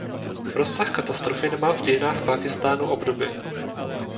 Rozsah katastrofy nemá v dějinách Pákistánu obdoby.